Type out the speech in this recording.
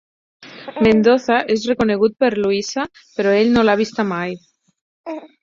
Mendoza és reconegut per Louisa, però ell no l'ha vista mai.